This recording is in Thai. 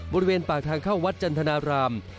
บริเวณปากทางเข้าวัดจันทนาราม